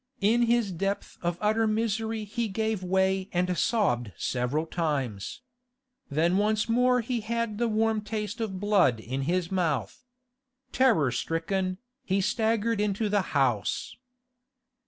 In his depth of utter misery he gave way and sobbed several times. Then once more he had the warm taste of blood in his mouth. Terror stricken, he staggered into the house.